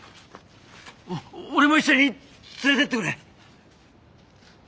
お俺も一緒に連れてってくれ。